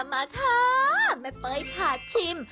มาค่ะแม่เป้ยผัดชิม